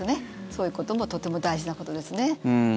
そういうこともとても大事なことですね。